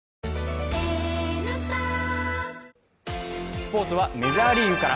スポーツはメジャーリーグから。